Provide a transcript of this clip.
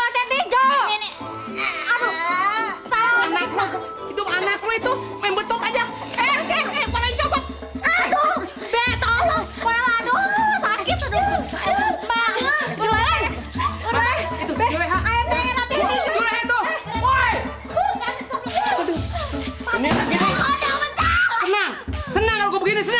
seneng kalau begini seneng